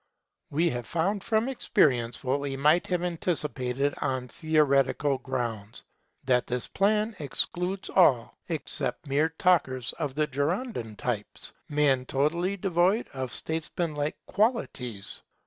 We have found from experience what we might have anticipated on theoretical grounds, that this plan excludes all except mere talkers of the Girondin type, men totally devoid of statesman like qualities.